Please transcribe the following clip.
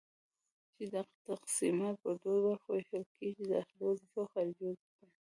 چي دغه تقسيمات پر دوو برخو ويشل کيږي:داخلي وظيفي او خارجي وظيفي